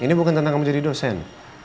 ini bukan tentang kamu jadi dosen